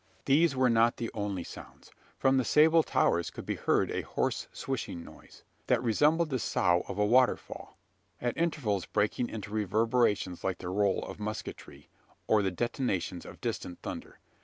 These were not the only sounds. From the sable towers could be heard a hoarse swishing noise, that resembled the sough of a waterfall at intervals breaking into reverberations like the roll of musketry, or the detonations of distant thunder!